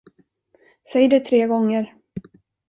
Säg det tre gånger!